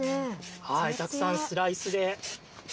たくさんスライスで。